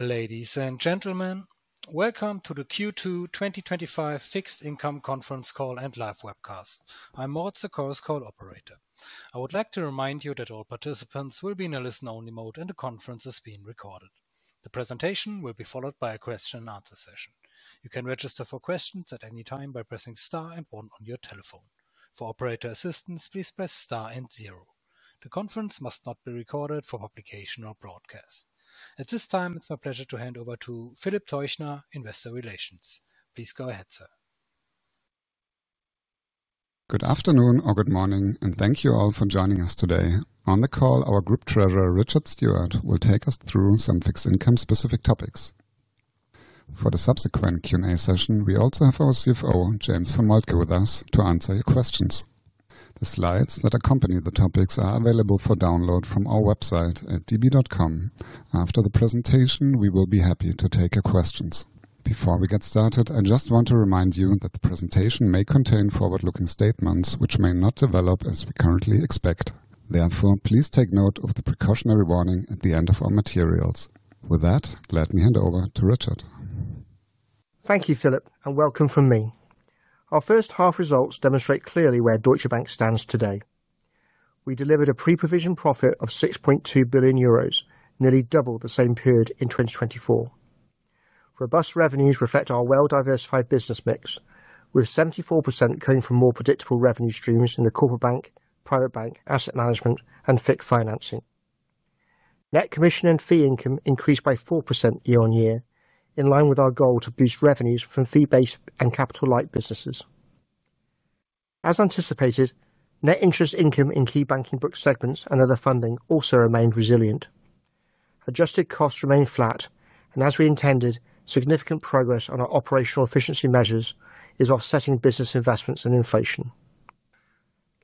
Ladies and gentlemen, welcome to the Q2 2025 Fixed Income Conference Call and Live Webcast. I'm Moritz Zakowicz, Call Operator. I would like to remind you that all participants will be in a listen-only mode and the conference is being recorded. The presentation will be followed by a question and answer session. You can register for questions at any time by pressing star and one on your telephone. For operator assistance, please press star and zero. The conference must not be recorded for publication or broadcast. At this time, it's my pleasure to hand over to Philip Teuchner, Investor Relations. Please go ahead, sir. Good afternoon or good morning, and thank you all for joining us today. On the call, our Group Treasurer, Richard Stewart, will take us through some fixed income-specific topics. For the subsequent Q&A session, we also have our CFO, James von Moltke, with us to answer your questions. The slides that accompany the topics are available for download from our website at db.com. After the presentation, we will be happy to take your questions. Before we get started, I just want to remind you that the presentation may contain forward-looking statements which may not develop as we currently expect. Therefore, please take note of the precautionary warning at the end of our materials. With that, let me hand over to Richard. Thank you, Philip, and welcome from me. Our first half results demonstrate clearly where Deutsche Bank stands today. We delivered a pre-provision profit of 6.2 billion euros, nearly double the same period in 2024. Robust revenues reflect our well-diversified business mix, with 74% coming from more predictable revenue streams in the corporate bank, private bank, asset management, and fixed financing. Net commission and fee income increased by 4% year-on-year, in line with our goal to boost revenues from fee-based and capital-light businesses. As anticipated, net interest income in key banking book segments and other funding also remained resilient. Adjusted costs remain flat, and as we intended, significant progress on our operational efficiency measures is offsetting business investments and inflation.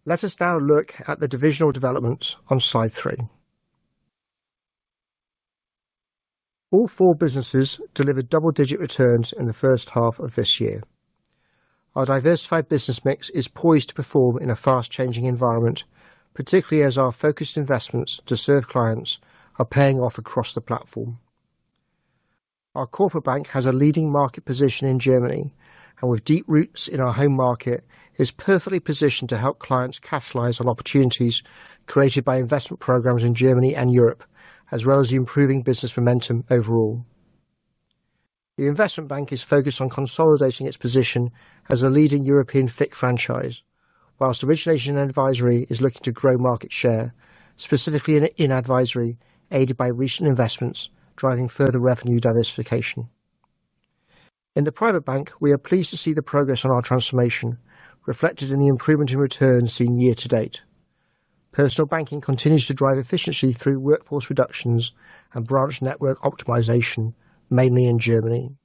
Let us now look at the divisional developments on slide three. All four businesses delivered double-digit returns in the first half of this year. Our diversified business mix is poised to perform in a fast-changing environment, particularly as our focused investments to serve clients are paying off across the platform. Our corporate bank has a leading market position in Germany, and with deep roots in our home market, it is perfectly positioned to help clients capitalize on opportunities created by investment programs in Germany and Europe, as well as improving business momentum overall. The investment bank is focused on consolidating its position as a leading European FIC franchise, whilst origination & advisory is looking to grow market share, specifically in advisory aided by recent investments driving further revenue diversification. In the private bank, we are pleased to see the progress on our transformation, reflected in the improvement in returns seen year to date. Personal banking continues to drive efficiency through workforce reductions and branch network optimization, mainly in Germany.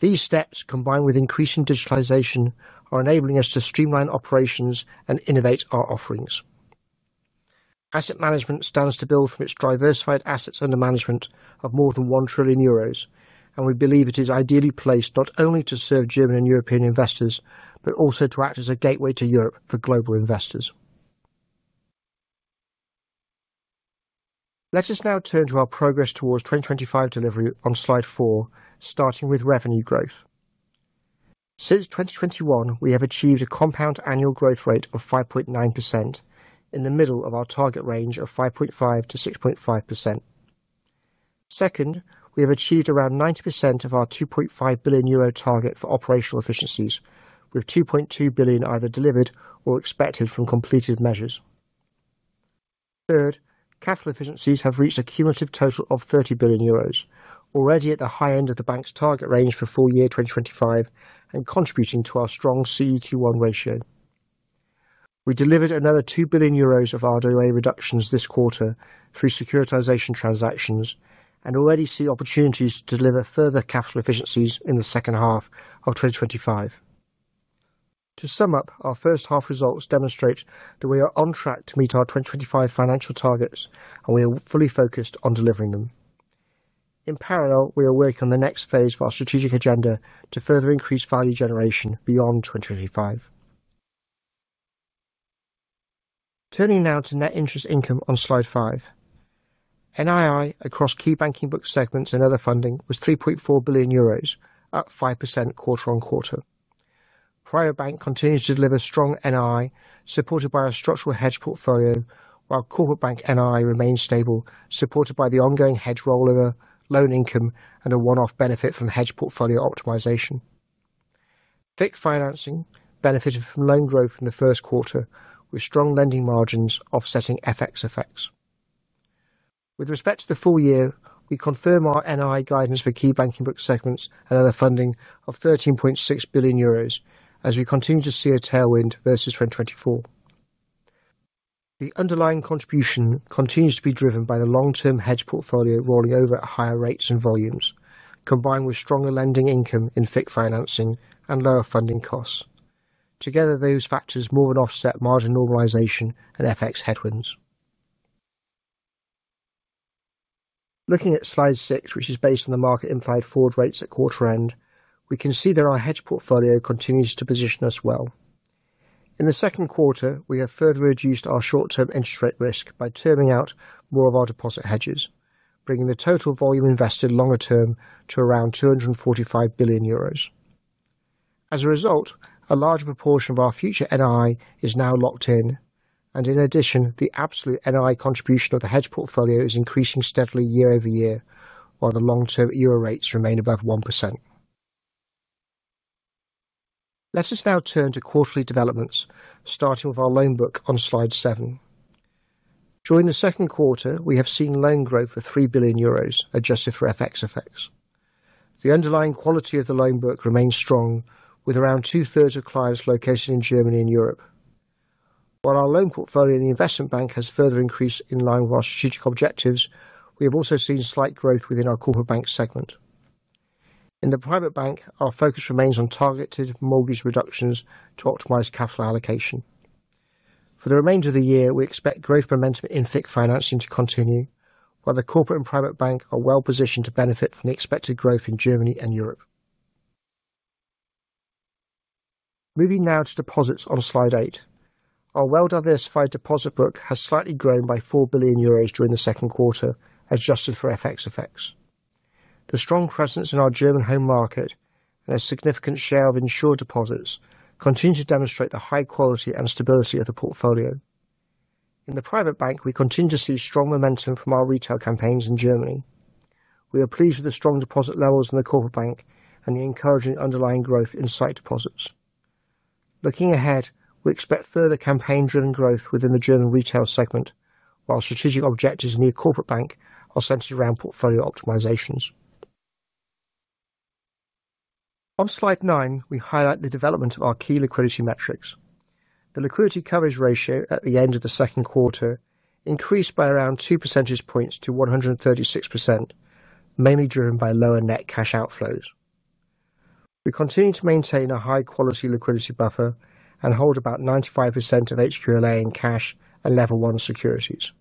These steps, combined with increasing digitalization, are enabling us to streamline operations and innovate our offerings. Asset management stands to build from its diversified assets under management of more than 1 trillion euros, and we believe it is ideally placed not only to serve German and European investors but also to act as a gateway to Europe for global investors. Let us now turn to our progress towards 2025 delivery on slide four, starting with revenue growth. Since 2021, we have achieved a compound annual growth rate of 5.9%, in the middle of our target range of 5.5%-6.5%. Second, we have achieved around 90% of our 2.5 billion euro target for operational efficiencies, with 2.2 billion either delivered or expected from completed measures. Third, capital efficiencies have reached a cumulative total of 30 billion euros, already at the high end of the bank's target range for full-year 2025 and contributing to our strong CET1 ratio. We delivered another 2 billion euros of RWA reductions this quarter through securitization transactions and already see opportunities to deliver further capital efficiencies in the second half of 2025. To sum up, our first-half results demonstrate that we are on track to meet our 2025 financial targets, and we are fully focused on delivering them. In parallel, we are working on the next phase of our strategic agenda to further increase value generation beyond 2025. Turning now to net interest income on slide five. NII across key banking book segments and other funding was EUR 3.4 billion, up 5% quarter-on-quarter. Private bank continues to deliver strong NII, supported by our structural hedge portfolio, while corporate bank NII remains stable, supported by the ongoing hedge rollover, loan income, and a one-off benefit from hedge portfolio optimization. FIC financing benefited from loan growth in the first quarter, with strong lending margins offsetting FX effects. With respect to the full year, we confirm our NII guidance for key banking book segments and other funding of 13.6 billion euros, as we continue to see a tailwind versus 2024. The underlying contribution continues to be driven by the long-term hedge portfolio rolling over at higher rates and volumes, combined with stronger lending income in FIC financing and lower funding costs. Together, those factors more than offset margin normalization and FX headwinds. Looking at slide six, which is based on the market-implied forward rates at quarter end, we can see that our hedge portfolio continues to position us well. In the second quarter, we have further reduced our short-term interest rate risk by turning out more of our deposit hedges, bringing the total volume invested longer term to around 245 billion euros. As a result, a larger proportion of our future NII is now locked in, and in addition, the absolute NII contribution of the hedge portfolio is increasing steadily year-over-year, while the long-term EUR rates remain above 1%. Let us now turn to quarterly developments, starting with our loan book on slide seven. During the second quarter, we have seen loan growth of 3 billion euros, adjusted for FX effects. The underlying quality of the loan book remains strong, with around two-thirds of clients located in Germany and Europe. While our loan portfolio in the investment bank has further increased in line with our strategic objectives, we have also seen slight growth within our corporate bank segment. In the private bank, our focus remains on targeted mortgage reductions to optimize capital allocation. For the remainder of the year, we expect growth momentum in FIC financing to continue, while the corporate and private bank are well positioned to benefit from the expected growth in Germany and Europe. Moving now to deposits on slide eight. Our well-diversified deposit book has slightly grown by 4 billion euros during the second quarter, adjusted for FX effects. The strong presence in our German home market and a significant share of insured deposits continue to demonstrate the high quality and stability of the portfolio. In the private bank, we continue to see strong momentum from our retail campaigns in Germany. We are pleased with the strong deposit levels in the corporate bank and the encouraging underlying growth in sight deposits. Looking ahead, we expect further campaign-driven growth within the German retail segment, while strategic objectives in the corporate bank are centered around portfolio optimizations. On slide nine, we highlight the development of our key liquidity metrics. The Liquidity Coverage Ratio at the end of the second quarter increased by around two percentage points to 136%, mainly driven by lower net cash outflows. We continue to maintain a high-quality liquidity buffer and hold about 95% of HQLA in cash and Level 1 securities.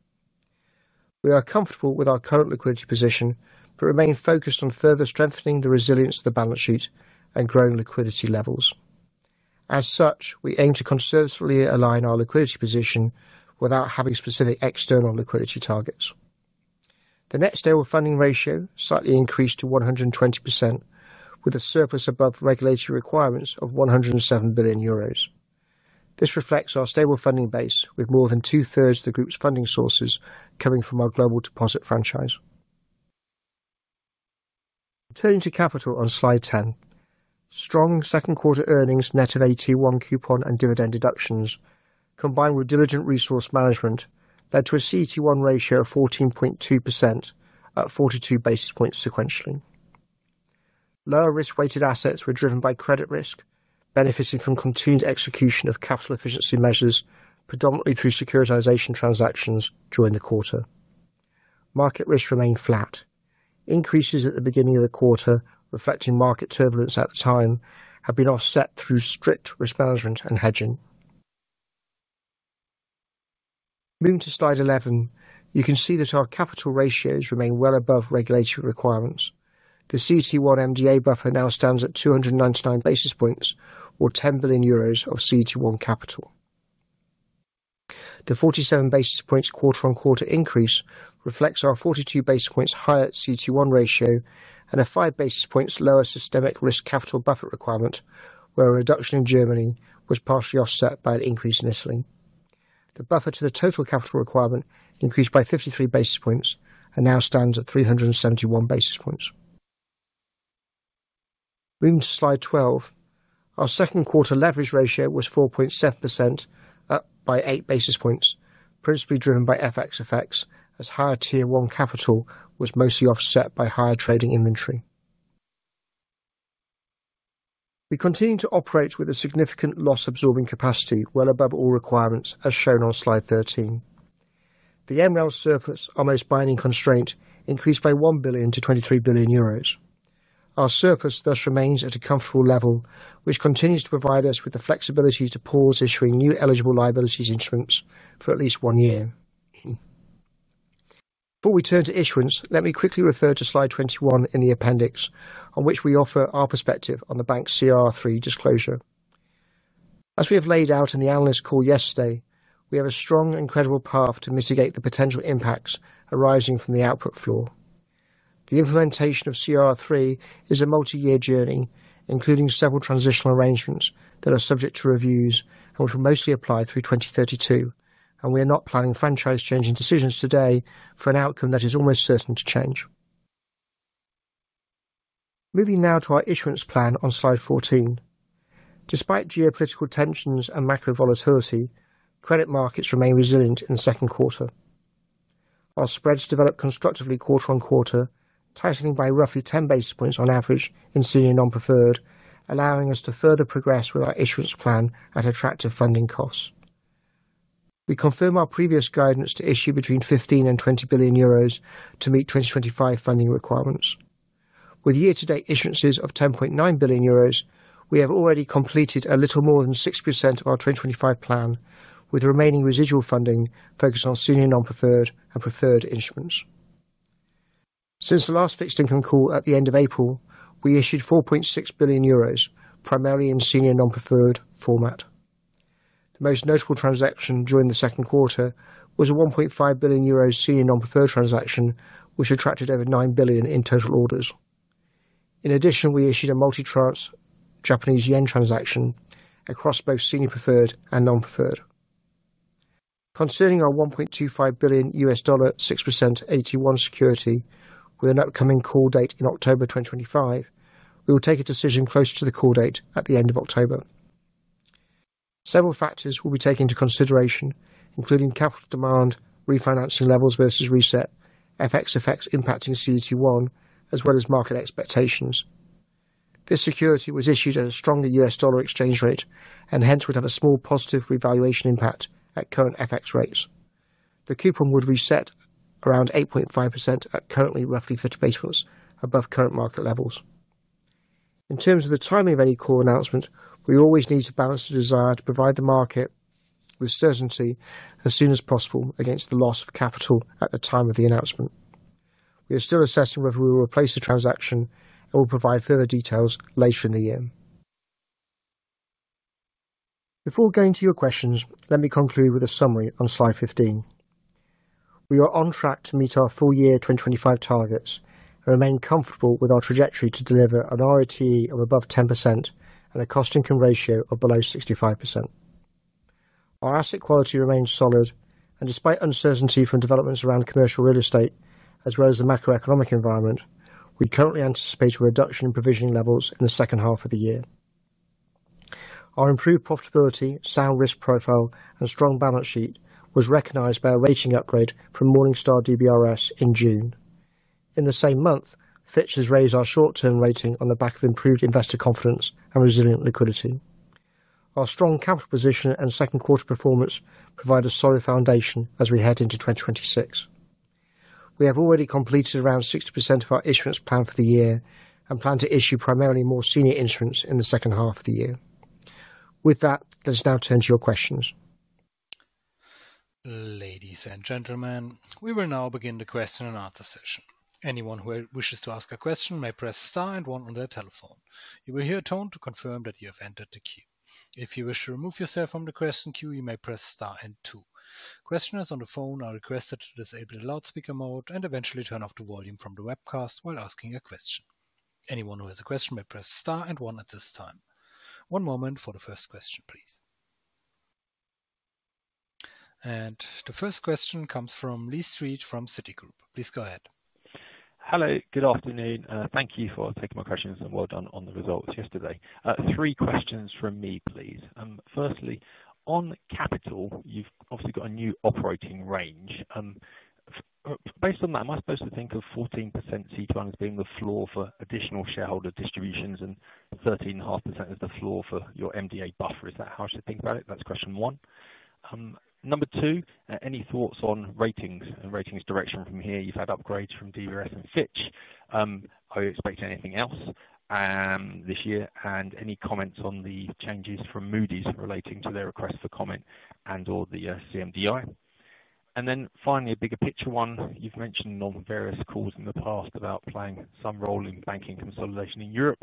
We are comfortable with our current liquidity position but remain focused on further strengthening the resilience of the balance sheet and growing liquidity levels. As such, we aim to conservatively align our liquidity position without having specific external liquidity targets. The Net Stable Funding Ratio slightly increased to 120%, with a surplus above regulatory requirements of 107 billion euros. This reflects our stable funding base, with more than two-thirds of the group's funding sources coming from our global deposit franchise. Turning to capital on slide ten, strong second-quarter earnings, net of AT1 coupon and dividend deductions, combined with diligent resource management, led to a CET1 ratio of 14.2% at 42 basis points sequentially. Lower risk-weighted assets were driven by credit risk, benefiting from continued execution of capital efficiency measures, predominantly through securitization transactions during the quarter. Market risk remained flat. Increases at the beginning of the quarter, reflecting market turbulence at the time, have been offset through strict risk management and hedging. Moving to slide 11, you can see that our capital ratios remain well above regulatory requirements. The CET1 MDA buffer now stands at 299 basis points, or 10 billion euros of CET1 capital. The 47 basis points quarter-on-quarter increase reflects our 42 basis points higher CET1 ratio and a 5 basis points lower systemic risk capital buffer requirement, where a reduction in Germany was partially offset by an increase in Italy. The buffer to the total capital requirement increased by 53 basis points and now stands at 371 basis points. Moving to slide 12, our second-quarter leverage ratio was 4.7%, up by eight basis points, principally driven by FX effects, as higher Tier 1 capital was mostly offset by higher trading inventory. We continue to operate with a significant loss-absorbing capacity, well above all requirements, as shown on slide 13. The MREL surplus, our most binding constraint, increased by 1 billion to 23 billion euros. Our surplus thus remains at a comfortable level, which continues to provide us with the flexibility to pause issuing new eligible liabilities instruments for at least one year. Before we turn to issuance, let me quickly refer to slide 21 in the appendix, on which we offer our perspective on the bank's CRR3 disclosure. As we have laid out in the analyst call yesterday, we have a strong, incredible path to mitigate the potential impacts arising from the output floor. The implementation of CRR3 is a multi-year journey, including several transitional arrangements that are subject to reviews and which will mostly apply through 2032, and we are not planning franchise-changing decisions today for an outcome that is almost certain to change. Moving now to our issuance plan on slide 14. Despite geopolitical tensions and macro volatility, credit markets remain resilient in the second quarter. Our spreads developed constructively quarter-on-quarter, tightening by roughly 10 basis points on average in senior non-preferred, allowing us to further progress with our issuance plan at attractive funding costs. We confirm our previous guidance to issue between 15 billion and 20 billion euros to meet 2025 funding requirements. With year-to-date issuances of 10.9 billion euros, we have already completed a little more than 6% of our 2025 plan, with remaining residual funding focused on senior non-preferred and preferred instruments. Since the last Fixed Income call at the end of April, we issued 4.6 billion euros, primarily in senior non-preferred format. The most notable transaction during the second quarter was a 1.5 billion euro senior non-preferred transaction, which attracted over 9 billion in total orders. In addition, we issued a multi-tranche Japanese Yen transaction across both senior preferred and non-preferred. Concerning our 1.25 billion US Dollar 6% AT1 security, with an upcoming call date in October 2025, we will take a decision closer to the call date at the end of October. Several factors will be taken into consideration, including capital demand, refinancing levels versus reset, FX effects impacting CET1, as well as market expectations. This security was issued at a stronger US Dollar exchange rate and hence would have a small positive revaluation impact at current FX rates. The coupon would reset around 8.5% at currently roughly 50 basis points above current market levels. In terms of the timing of any call announcement, we always need to balance the desire to provide the market with certainty as soon as possible against the loss of capital at the time of the announcement. We are still assessing whether we will replace the transaction and will provide further details later in the year. Before going to your questions, let me conclude with a summary on slide 15. We are on track to meet our full-year 2025 targets and remain comfortable with our trajectory to deliver an ROTE of above 10% and a cost/income ratio of below 65%. Our asset quality remains solid, and despite uncertainty from developments around commercial real estate as well as the macroeconomic environment, we currently anticipate a reduction in provisioning levels in the second half of the year. Our improved profitability, sound risk profile, and strong balance sheet were recognized by a rating upgrade from Morningstar DBRS in June. In the same month, Fitch has raised our short-term rating on the back of improved investor confidence and resilient liquidity. Our strong capital position and second-quarter performance provide a solid foundation as we head into 2026. We have already completed around 60% of our issuance plan for the year and plan to issue primarily more senior instruments in the second half of the year. With that, let us now turn to your questions. Ladies and gentlemen, we will now begin the question and answer session. Anyone who wishes to ask a question may press star and one on their telephone. You will hear a tone to confirm that you have entered the queue. If you wish to remove yourself from the question queue, you may press star and two. Questioners on the phone are requested to disable the loudspeaker mode and eventually turn off the volume from the webcast while asking a question. Anyone who has a question may press star and one at this time. One moment for the first question, please. And the first question comes from Lee Street from Citigroup. Please go ahead. Hello, good afternoon. Thank you for taking my questions and well done on the results yesterday. Three questions from me, please. Firstly, on capital, you've obviously got a new operating range. Based on that, am I supposed to think of 14% CET1 as being the floor for additional shareholder distributions and 13.5% as the floor for your MDA buffer? Is that how I should think about it? That's question one. Number two, any thoughts on ratings and ratings direction from here? You've had upgrades from DBRS and Fitch. Are you expecting anything else this year? And any comments on the changes from Moody’s relating to their request for comment and/or the CMDI? And then finally, a bigger picture one. You've mentioned on various calls in the past about playing some role in banking consolidation in Europe.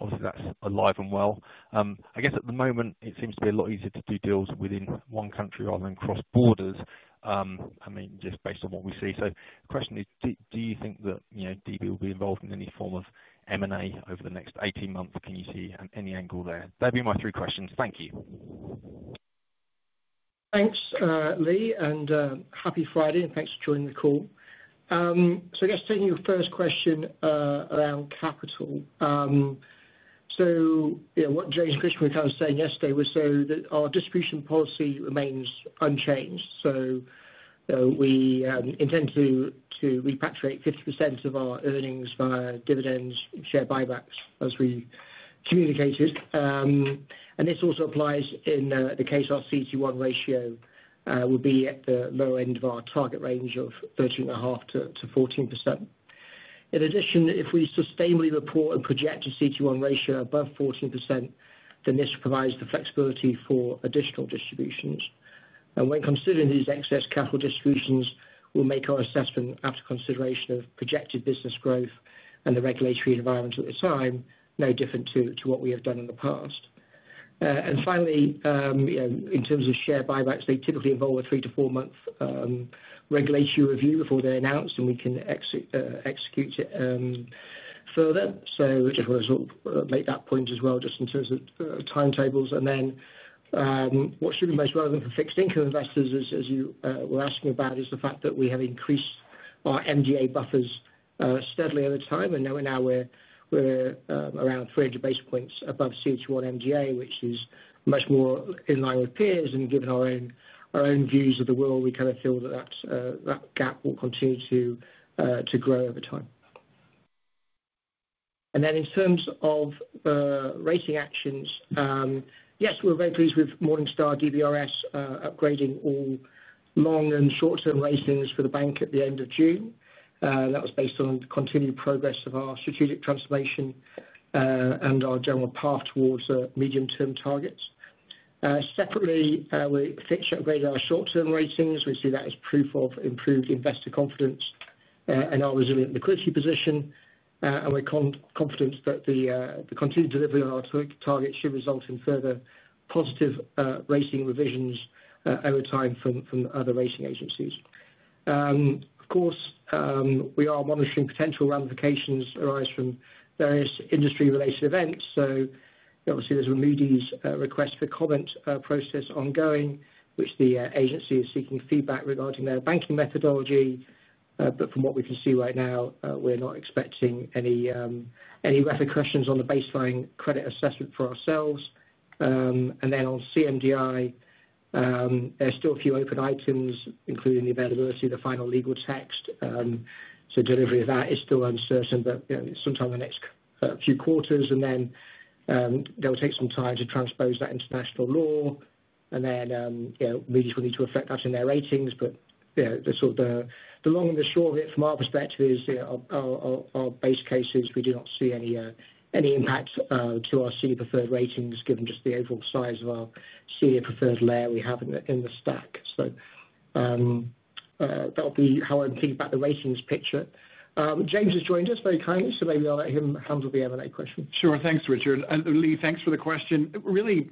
Obviously, that's alive and well. I guess at the moment, it seems to be a lot easier to do deals within one country rather than cross borders, I mean, just based on what we see. The question is, do you think that DB will be involved in any form of M&A over the next 18 months? Can you see any angle there? They'll be my three questions. Thank you. Thanks, Lee, and happy Friday, and thanks for joining the call. I guess taking your first question around capital. What James and Christian was kind of saying yesterday was that our distribution policy remains unchanged. We intend to repatriate 50% of our earnings via dividends, share buybacks, as we communicated. This also applies in the case our CET1 ratio will be at the lower end of our target range of 13.5%-14%. In addition, if we sustainably report and project a CET1 ratio above 14%, then this provides the flexibility for additional distributions. When considering these excess capital distributions, we'll make our assessment after consideration of projected business growth and the regulatory environment at the time, no different to what we have done in the past. And finally. In terms of share buybacks, they typically involve a three to four-month regulatory review before they're announced, and we can execute it further. I just want to sort of make that point as well, just in terms of timetables. What should be most relevant for fixed income investors, as you were asking about, is the fact that we have increased our MDA buffers steadily over time. Now we're around 300 basis points above CET1 MDA, which is much more in line with peers. Given our own views of the world, we kind of feel that that gap will continue to grow over time. In terms of rating actions, yes, we're very pleased with Morningstar DBRS upgrading all long- and short-term ratings for the bank at the end of June. That was based on continued progress of our strategic transformation and our general path towards medium-term targets. Separately, Fitch upgraded our short-term ratings. We see that as proof of improved investor confidence and our resilient liquidity position. We're confident that the continued delivery of our targets should result in further positive rating revisions over time from other rating agencies. Of course, we are monitoring potential ramifications arising from various industry-related events. Obviously, there's a Moody’s Request for Comment process ongoing, which the agency is seeking feedback regarding their banking methodology. From what we can see right now, we're not expecting any rapid questions on the baseline credit assessment for ourselves. On CMDI, there are still a few open items, including the availability of the final legal text. Delivery of that is still uncertain, but sometime in the next few quarters. They'll take some time to transpose that into national law. Moody’s will need to reflect that in their ratings. The long and the short of it, from our perspective, is our base case is we do not see any impact to our senior preferred ratings, given just the overall size of our senior preferred layer we have in the stack. That'll be how I'm thinking about the ratings picture. James has joined us very kindly, so maybe I'll let him handle the M&A question. Sure. Thanks, Richard. And Lee, thanks for the question. Really,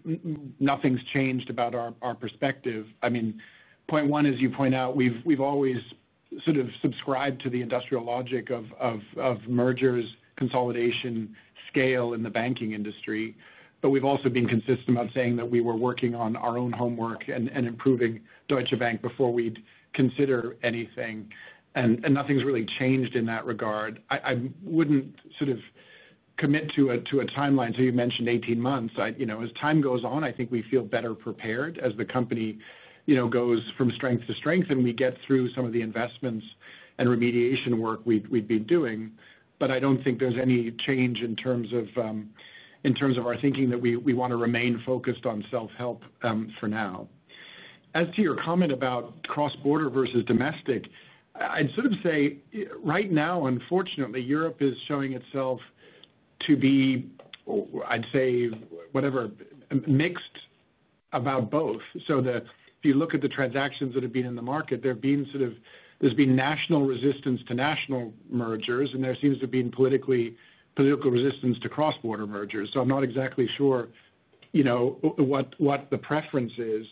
nothing's changed about our perspective. I mean, point one, as you point out, we've always sort of subscribed to the industrial logic of mergers, consolidation, scale in the banking industry. We've also been consistent about saying that we were working on our own homework and improving Deutsche Bank before we'd consider anything. Nothing's really changed in that regard. I wouldn't sort of commit to a timeline. You mentioned 18 months. As time goes on, I think we feel better prepared as the company goes from strength to strength and we get through some of the investments and remediation work we've been doing. I don't think there's any change in terms of. Our thinking that we want to remain focused on self-help for now. As to your comment about cross-border versus domestic, I'd sort of say right now, unfortunately, Europe is showing itself to be, I'd say, whatever. Mixed about both. If you look at the transactions that have been in the market, there's been national resistance to national mergers, and there seems to have been political resistance to cross-border mergers. I'm not exactly sure what the preference is.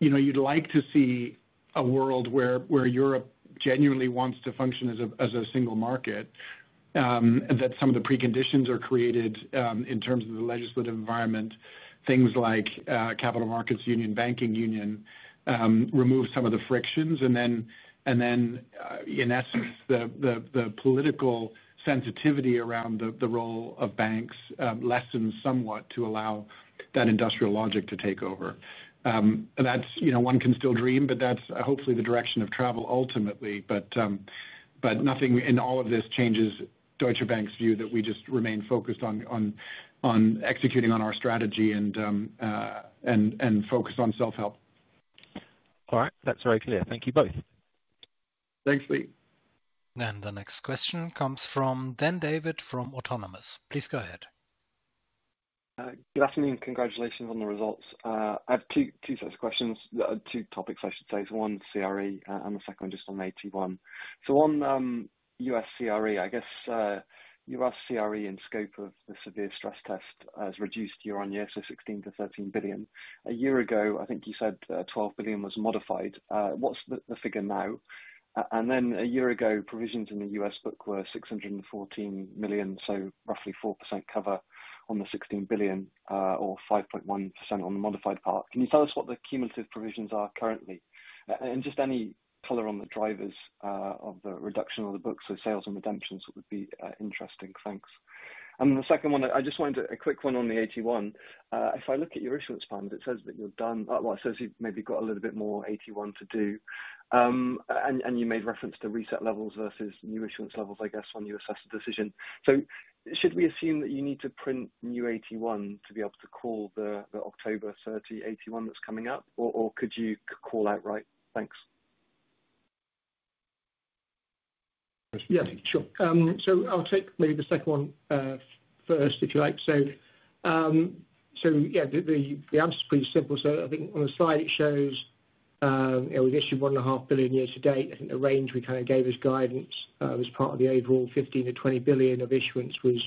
You'd like to see a world where Europe genuinely wants to function as a single market, that some of the preconditions are created in terms of the legislative environment, things like capital markets union, banking union, remove some of the frictions. In essence, the political sensitivity around the role of banks lessens somewhat to allow that industrial logic to take over. One can still dream, but that's hopefully the direction of travel ultimately. Nothing in all of this changes Deutsche Bank's view that we just remain focused on executing on our strategy and focus on self-help. All right. That's very clear. Thank you both. Thanks, Lee. The next question comes from Dan David from Autonomous. Please go ahead. Good afternoon. Congratulations on the results. I have two sets of questions, two topics, I should say. One, CRE, and the second one just on AT1. One, U.S. CRE, I guess. U.S. CRE and scope of the severe stress test has reduced year-on-year to 16 billion to 13 billion. A year ago, I think you said 12 billion was modified. What's the figure now? A year ago, provisions in the U.S. book were 614 million, so roughly 4% cover on the 16 billion or 5.1% on the modified part. Can you tell us what the cumulative provisions are currently? Any color on the drivers of the reduction of the books or sales and redemptions would be interesting. Thanks. The second one, I just wanted a quick one on the AT1. If I look at your issuance plans, it says that you're done. It says you've maybe got a little bit more AT1 to do. You made reference to reset levels versus new issuance levels, I guess, when you assessed the decision. Should we assume that you need to print new AT1 to be able to call the October 30 AT1 that's coming up, or could you call outright? Thanks. Yeah, sure. I'll take maybe the second one first, if you like. The answer is pretty simple. I think on the slide, it shows we've issued 1.5 billion year-to-date. I think the range we kind of gave as guidance as part of the overall $15 billion-$20 billion of issuance was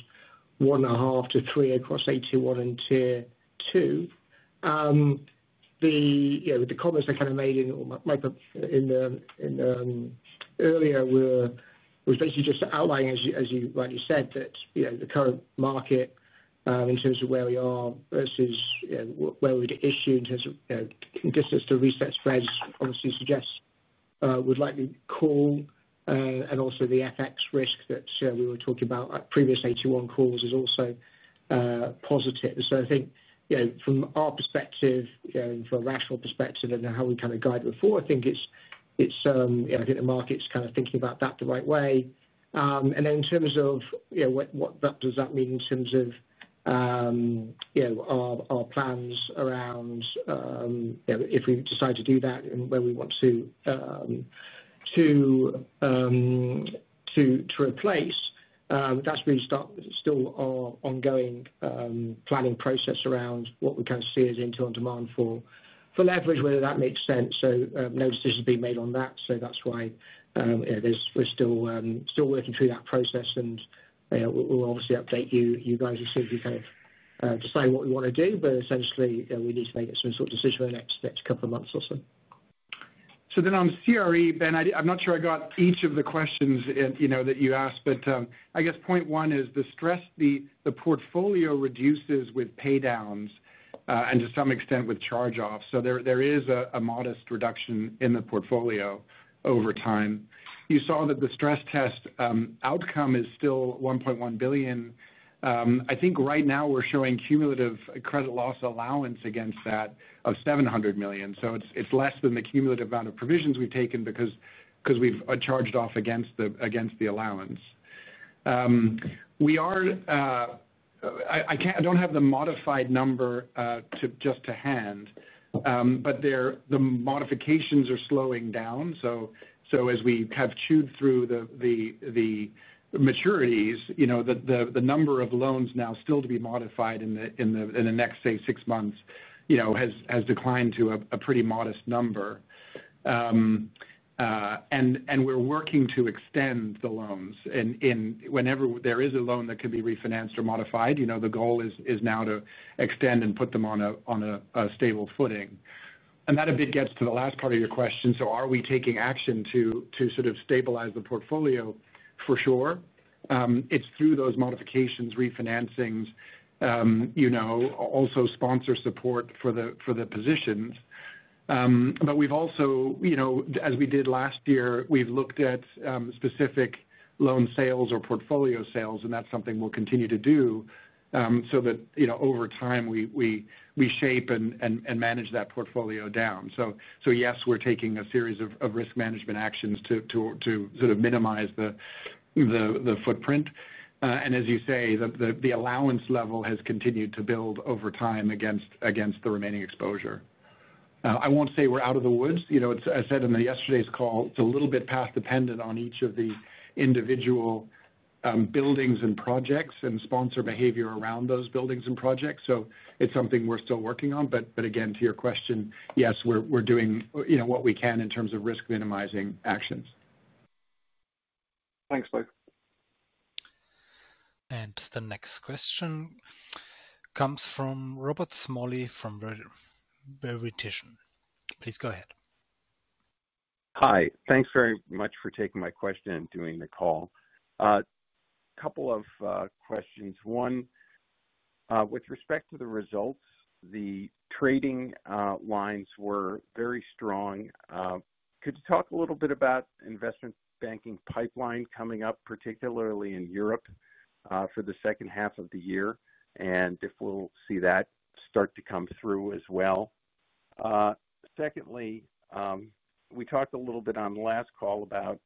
1.5 billion-3 billion across AT1 and Tier 2. The comments I kind of made earlier were basically just outlining, as you rightly said, that the current market. In terms of where we are versus where we'd issue in terms of consistency reset spreads, obviously suggests we'd likely call. Also, the FX risk that we were talking about at previous AT1 calls is also positive. I think from our perspective, from a rational perspective and how we kind of guide it forward, I think the market's kind of thinking about that the right way. In terms of what does that mean in terms of our plans around if we decide to do that and where we want to replace, that's really still our ongoing planning process around what we kind of see as internal demand for leverage, whether that makes sense. No decisions being made on that. That's why we're still working through that process. We'll obviously update you guys as soon as we kind of decide what we want to do. Essentially, we need to make some sort of decision in the next couple of months or so. On CRE, Dan, I'm not sure I got each of the questions that you asked. I guess point one is the stress, the portfolio reduces with paydowns and to some extent with charge-offs. There is a modest reduction in the portfolio over time. You saw that the stress test outcome is still 1.1 billion. I think right now we're showing cumulative credit loss allowance against that of 700 million. It's less than the cumulative amount of provisions we've taken because we've charged off against the allowance. I don't have the modified number just to hand, but the modifications are slowing down. As we have chewed through the maturities, the number of loans now still to be modified in the next, say, six months has declined to a pretty modest number. We're working to extend the loans. Whenever there is a loan that can be refinanced or modified, the goal is now to extend and put them on a stable footing. That a bit gets to the last part of your question. Are we taking action to sort of stabilize the portfolio? For sure. It's through those modifications, refinancings, also sponsor support for the positions. We've also, as we did last year, looked at specific loan sales or portfolio sales. That's something we'll continue to do so that over time, we shape and manage that portfolio down. Yes, we're taking a series of risk management actions to sort of minimize the footprint. As you say, the allowance level has continued to build over time against the remaining exposure. I won't say we're out of the woods. As I said in yesterday's call, it's a little bit path dependent on each of the individual buildings and projects and sponsor behavior around those buildings and projects. It's something we're still working on. Again, to your question, yes, we're doing what we can in terms of risk minimizing actions. Thanks, both. The next question comes from Robert Smalley from Verition. Please go ahead. Hi. Thanks very much for taking my question and doing the call. A couple of questions. One, with respect to the results, the trading lines were very strong. Could you talk a little bit about investment banking pipeline coming up, particularly in Europe for the second half of the year? And if we'll see that start to come through as well. Secondly, we talked a little bit on the last call about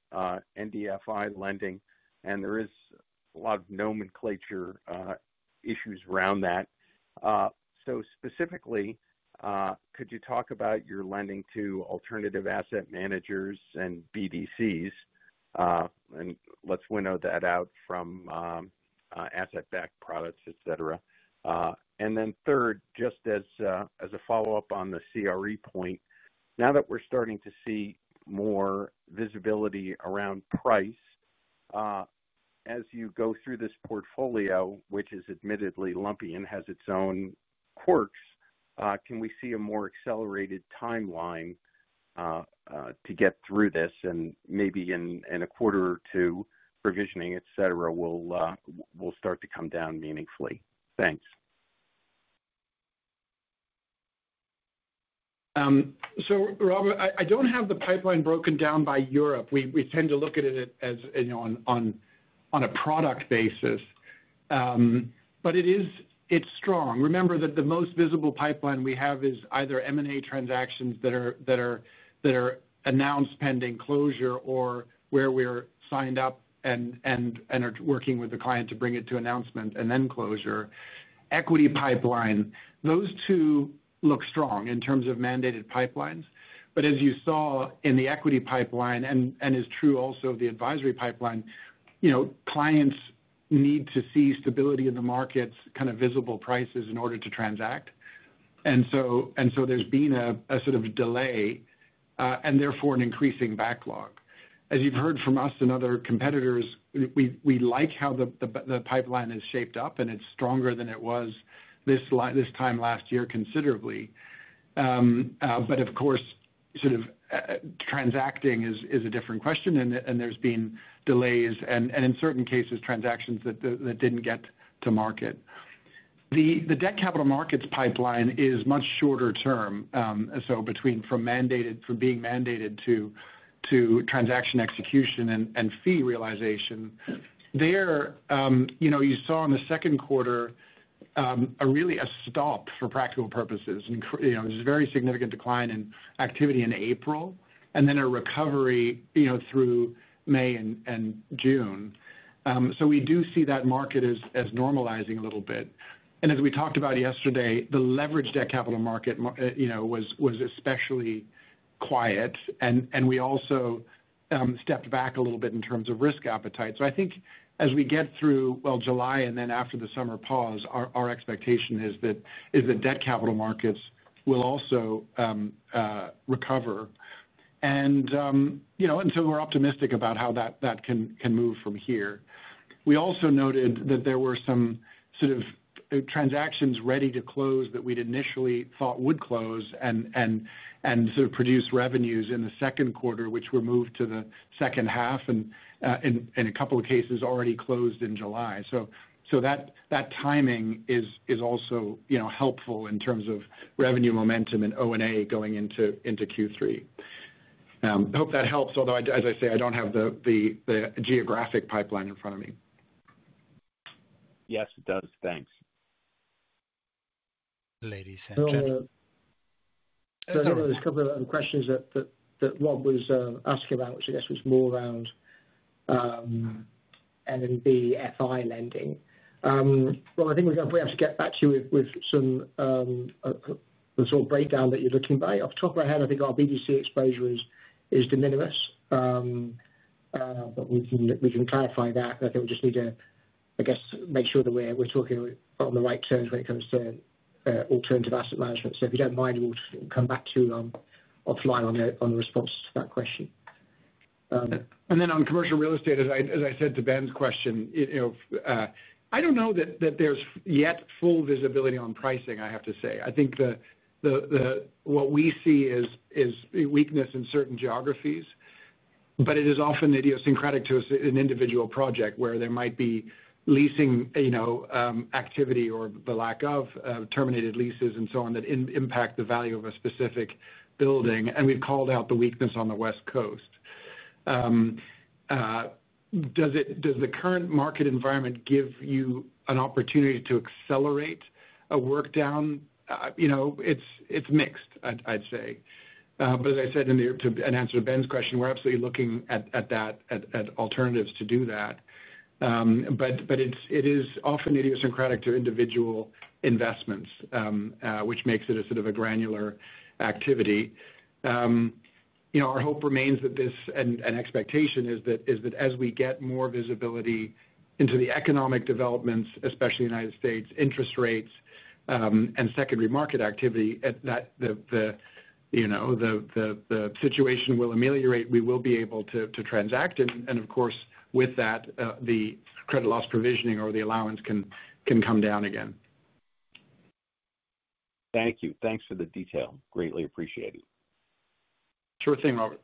NBFI lending, and there is a lot of nomenclature issues around that. So specifically, could you talk about your lending to alternative asset managers and BDCs? And let's winnow that out from asset-backed products, etc. And then third, just as a follow-up on the CRE point, now that we're starting to see more visibility around price, as you go through this portfolio, which is admittedly lumpy and has its own quirks, can we see a more accelerated timeline to get through this? And maybe in a quarter or two, provisioning, etc., will start to come down meaningfully. Thanks. Robert, I do not have the pipeline broken down by Europe. We tend to look at it on a product basis, but it is strong. Remember that the most visible pipeline we have is either M&A transactions that are announced pending closure or where we are signed up and are working with the client to bring it to announcement and then closure. Equity pipeline, those two look strong in terms of mandated pipelines. As you saw in the equity pipeline, and is true also of the advisory pipeline, clients need to see stability in the markets, kind of visible prices in order to transact. There has been a sort of delay and therefore an increasing backlog. As you have heard from us and other competitors, we like how the pipeline is shaped up, and it is stronger than it was this time last year considerably. Of course, transacting is a different question, and there have been delays and in certain cases, transactions that did not get to market. The debt capital markets pipeline is much shorter term. From being mandated to transaction execution and fee realization, there you saw in the second quarter really a stop for practical purposes. There was a very significant decline in activity in April and then a recovery through May and June. We do see that market as normalizing a little bit. As we talked about yesterday, the leveraged debt capital market was especially quiet, and we also stepped back a little bit in terms of risk appetite. I think as we get through July and then after the summer pause, our expectation is that debt capital markets will also recover. We are optimistic about how that can move from here. We also noted that there were some transactions ready to close that we had initially thought would close and. Sort of produce revenues in the second quarter, which were moved to the second half and, in a couple of cases, already closed in July. That timing is also helpful in terms of revenue momentum and O&A going into Q3. I hope that helps, although, as I say, I do not have the geographic pipeline in front of me. Yes, it does. Thanks. Ladies and gentlemen There are a couple of questions that Rob was asking about, which I guess were more around NBFI lending. I think we have to get back to you with some sort of breakdown that you are looking for. Off the top of our head, I think our BDC exposure is de minimis, but we can clarify that. I think we just need to make sure that we are talking on the right terms when it comes to alternative asset management. If you do not mind, we will come back to you offline on the response to that question. Then on commercial real estate, as I said to Ben's question, I do not know that there is yet full visibility on pricing, I have to say. I think what we see is weakness in certain geographies, but it is often idiosyncratic to an individual project where there might be leasing activity or the lack of terminated leases and so on that impact the value of a specific building. We have called out the weakness on the West Coast. Does the current market environment give you an opportunity to accelerate a workdown? It is mixed, I would say. As I said in answer to Dan's question, we are absolutely looking at that, at alternatives to do that. It is often idiosyncratic to individual investments, which makes it a sort of a granular activity. Our hope remains, and expectation is, that as we get more visibility into the economic developments, especially in the United States, interest rates, and secondary market activity, the situation will ameliorate, we will be able to transact. Of course, with that, the credit loss provisioning or the allowance can come down again. Thank you. Thanks for the detail. Greatly appreciate it. Sure thing, Robert.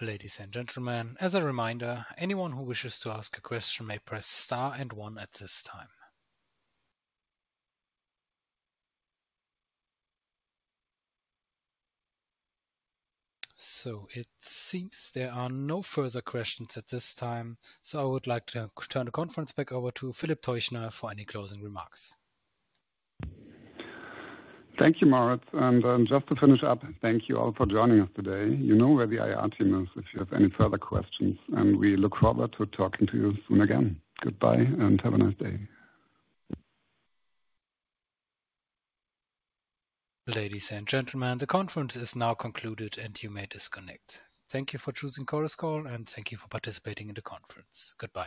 Ladies and gentlemen, as a reminder, anyone who wishes to ask a question may press star and one at this time. It seems there are no further questions at this time, so I would like to turn the conference back over to Philip Teuchner for any closing remarks. Thank you, Moritz. Just to finish up, thank you all for joining us today. You know where the IR team if you have any further questions, and we look forward to talking to you soon again. Goodbye and have a nice day. Ladies and gentlemen, the conference is now concluded, and you may disconnect. Thank you for choosing Coruscore, and thank you for participating in the conference. Goodbye.